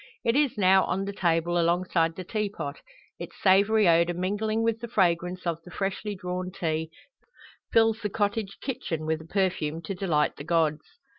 It is now on the table, alongside the teapot; its savoury odour mingling with the fragrance of the freshly "drawn" tea, fills the cottage kitchen with a perfume to delight the gods.